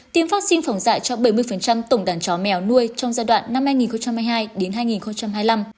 tiêm vaccine phòng dạy cho bảy mươi tổng đàn chó mèo nuôi trong giai đoạn năm hai nghìn hai mươi hai đến hai nghìn hai mươi năm